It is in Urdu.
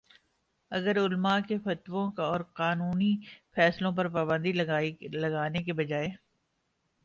اگر علما کے فتووں اور قانونی فیصلوں پر پابندی لگانے کے بجائے